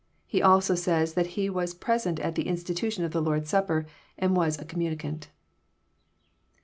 He also says that he was present at the institution of the Lord's Supper, and was a communicant.